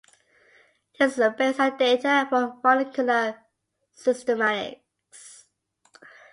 This is based on data from molecular systematics.